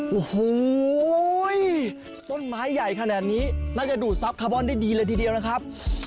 โอ้โหต้นไม้ใหญ่ขนาดนี้น่าจะดูดซับคาร์บอนได้ดีเลยทีเดียวนะครับ